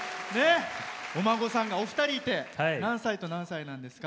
お孫さんがお二人いて何歳と何歳なんですか？